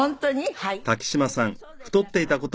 「はい」